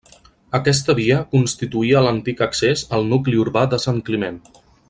Aquesta via constituïa l'antic accés al nucli urbà de Sant Climent.